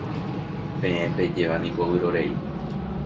Peẽ pejéva niko vyrorei.